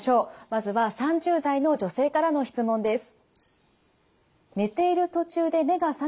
まずは３０代の女性からの質問です。